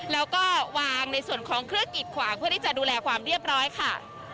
แล้วก็วางในส่วนของเครื่องกิดขวางเพื่อที่จะดูแลความเรียบร้อยค่ะ